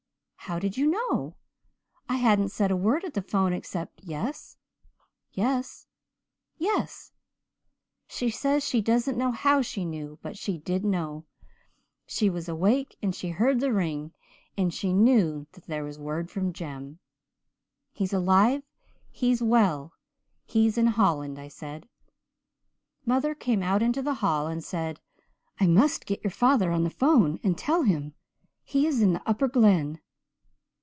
"How did she know? I hadn't said a word at the phone except 'Yes yes yes.' She says she doesn't know how she knew, but she did know. She was awake and she heard the ring and she knew that there was word from Jem. "'He's alive he's well he's in Holland,' I said. "Mother came out into the hall and said, 'I must get your father on the 'phone and tell him. He is in the Upper Glen.'